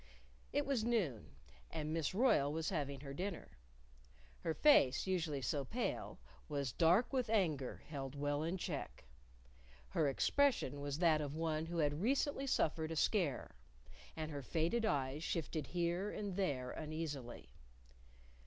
It was noon. And Miss Royle was having her dinner. Her face, usually so pale, was dark with anger held well in check. Her expression was that of one who had recently suffered a scare, and her faded eyes shifted here and there uneasily.